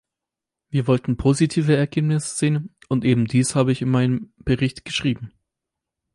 Wir wollten positive Ergebnisse sehen, und eben dies habe ich in meinem Bericht geschrieben.